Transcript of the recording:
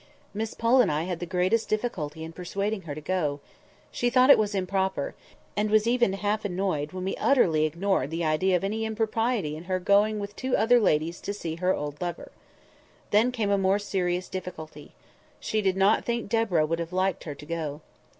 Miss Pole and I had the greatest difficulty in persuading her to go. She thought it was improper; and was even half annoyed when we utterly ignored the idea of any impropriety in her going with two other ladies to see her old lover. Then came a more serious difficulty. She did not think Deborah would have liked her to go.